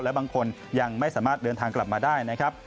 และบางคนยังไม่สามารถเดินทางกลับมาได้นะครับ